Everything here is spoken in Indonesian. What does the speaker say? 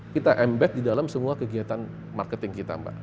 kita embat di dalam semua kegiatan marketing kita mbak